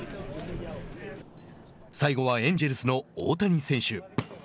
最後はエンジェルスの大谷選手。